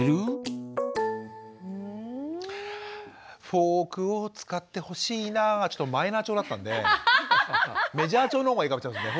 「フォークを使ってほしいな」がちょっとマイナー調だったんでメジャー調のほうがいいかもしませんね。